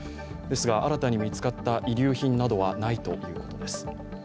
ですが新たに見つかった遺留品などはないということです。